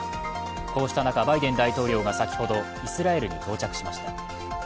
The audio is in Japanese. こうした中、バイデン大統領が先ほどイスラエルに到着しました。